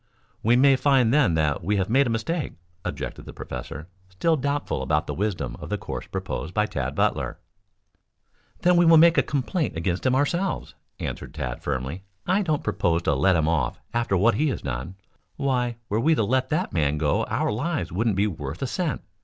"We may find, then, that we have made a mistake," objected the professor, still doubtful about the wisdom of the course proposed by Tad Butler. "Then we will make a complaint against him ourselves," answered Tad firmly. "I don't propose to let him off after what he has done. Why, were we to let that man go our lives wouldn't be worth a cent.